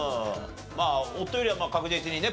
まあ夫よりは確実にね